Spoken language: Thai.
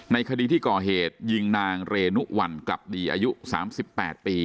ในคดีที่ก่อเหตุยิงนางเรนุวัลกลับดีอายุสามสิบแปดปี